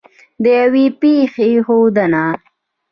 د یوې پېښې ښودنه